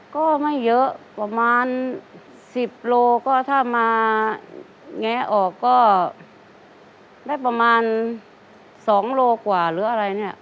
ก็ไม่เยอะประมาณ๑๐โลก็ถ้ามาแงะออกก็ได้ประมาณ๒โลกว่าหรืออะไรเนี่ย